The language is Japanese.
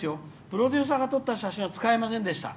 プロデューサーが撮った写真は使えませんでした。